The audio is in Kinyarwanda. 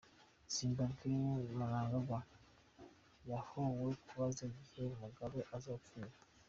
Zimbabwe: Mnangagwa yahowe kubaza igihe Mugabe azopfira.